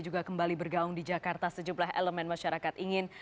juga kembali bergaung di jakarta sejumlah elemen masyarakat ingin